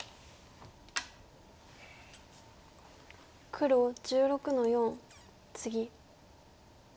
黒１６の四ツギ。